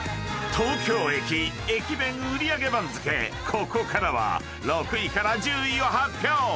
［ここからは６位から１０位を発表！］